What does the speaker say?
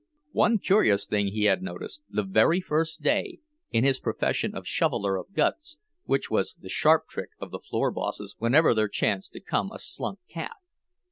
One curious thing he had noticed, the very first day, in his profession of shoveler of guts; which was the sharp trick of the floor bosses whenever there chanced to come a "slunk" calf.